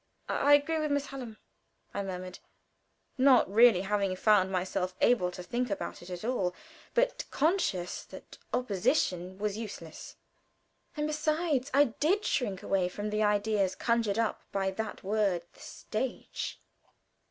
I agree with Miss Hallam," I murmured, not really having found myself able to think about it at all, but conscious that opposition was useless. And, besides, I did shrink away from the ideas conjured up by that word, the "stage."